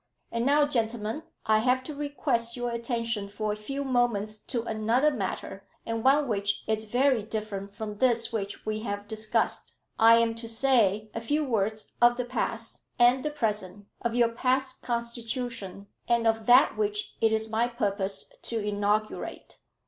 "And now, gentlemen, I have to request your attention for a few moments to another matter, and one which is very different from this which we have discussed. I am to say a few words of the past and the present, of your past constitution, and of that which it is my purpose to inaugurate."